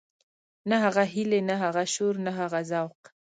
نه هغه هيلې نه هغه شور نه هغه ذوق.